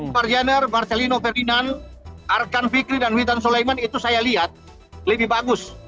farjaner marcelino ferdinand arkan fikri dan witan sulaiman itu saya lihat lebih bagus